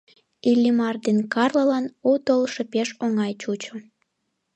Иллимар ден Карлалан у толшо пеш оҥай чучо.